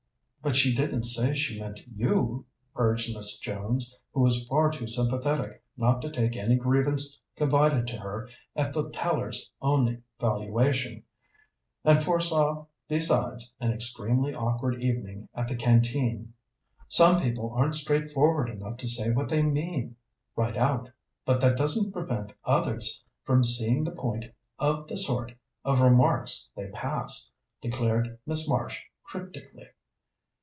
"But she didn't say she meant you," urged Miss Jones, who was far too sympathetic not to take any grievance confided to her at the teller's own valuation, and foresaw besides an extremely awkward evening at the Canteen. "Some people aren't straightforward enough to say what they mean right out, but that doesn't prevent others from seeing the point of the sort of remarks they pass," declared Miss Marsh cryptically.